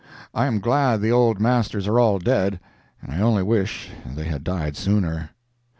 I am glad the old masters are all dead, and I only wish they had died sooner.